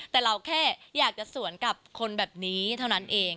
แต่เราแค่อยากจะสวนกับคนแบบนี้เท่านั้นเอง